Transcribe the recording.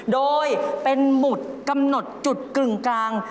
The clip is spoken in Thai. โดยเป็นหมุดกำหนดจุดกึ่งกลาง